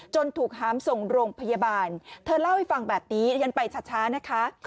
ถูกหามส่งโรงพยาบาลเธอเล่าให้ฟังแบบนี้ฉันไปช้านะคะ